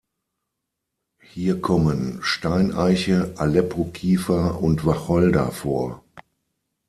Hier kommen Steineiche, Aleppo-Kiefer und Wacholder vor.